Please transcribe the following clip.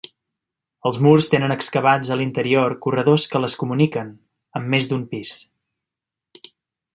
Els murs tenen excavats a l’interior corredors que les comuniquen, amb més d’un pis.